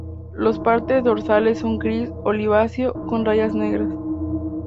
Las partes dorsales son gris oliváceo con rayas negras.